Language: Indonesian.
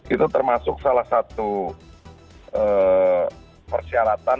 itu termasuk salah satu persyaratan atau peraturan